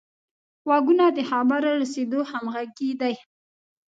غوږونه د خبرو رسه همغږي دي